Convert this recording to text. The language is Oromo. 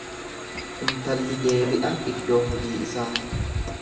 Intalli deebi'a iddoo hojii isaa.